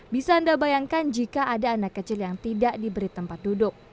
bisa anda bayangkan jika ada anak kecil yang tidak diberi tempat duduk